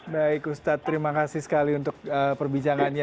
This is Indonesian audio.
baik ustadz terima kasih sekali untuk perbincangannya